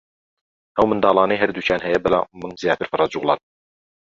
ئەو منداڵانەی هەردووکیان هەیە بەلام زیاتر فرەجووڵەن